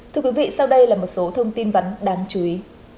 thưa quý vị sau đây là một số thông tin vắn đáng chú ý